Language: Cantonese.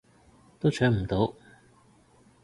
都搶唔到